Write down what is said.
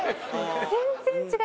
全然違う。